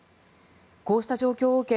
こうした状況を受け